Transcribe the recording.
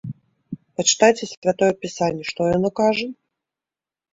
Пачытайце святое пісанне, што яно кажа?